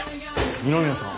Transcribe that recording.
二宮さん？